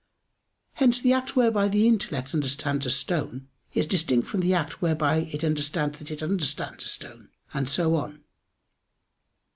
Hence the act whereby the intellect understands a stone is distinct from the act whereby it understands that it understands a stone; and so on.